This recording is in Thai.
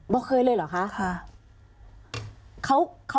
บอกเคยเลยเหรอคะค่ะ